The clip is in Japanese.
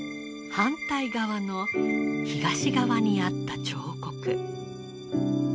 反対側の東側にあった彫刻。